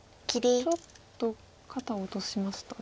ちょっと肩を落としましたね。